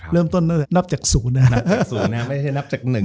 เริ่มต้นนับจากศูนย์นะฮะไม่ใช่นับจากหนึ่งนะฮะ